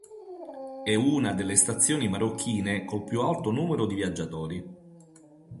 È una delle stazioni marocchine col più alto numero di viaggiatori.